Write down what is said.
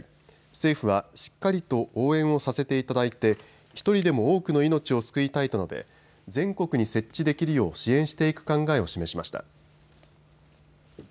政府はしっかりと応援をさせていただいて１人でも多くの命を救いたいと述べ全国に設置できるよう支援していく考えを示しました。